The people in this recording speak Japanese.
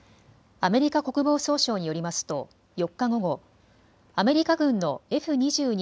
アメリカ国防総省によりますと４日午後、アメリカ軍のＦ２２